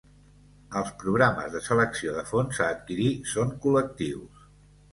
Els programes de selecció de fons a adquirir són col·lectius.